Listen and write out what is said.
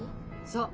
そう。